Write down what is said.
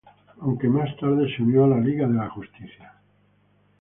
Aunque, más tarde se unió a la Liga de la Justicia.